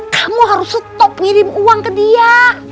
kamu harus stop ngirim uang ke dia